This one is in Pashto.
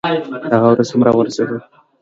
دغه ورځ هم راورسېدله.